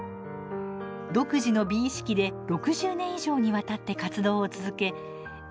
独自の美意識で６０年以上にわたって活動を続け